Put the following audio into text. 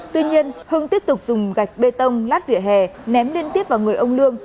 tuy nhiên hưng tiếp tục dùng gạch bê tông lát vỉa hè ném liên tiếp vào người ông lương